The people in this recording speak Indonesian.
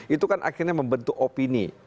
itu kan akhirnya membentuk opini